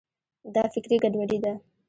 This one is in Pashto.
دا فکري ګډوډي ده.